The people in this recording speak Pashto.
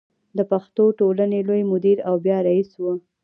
د پښتو ټولنې لوی مدیر او بیا رئیس و.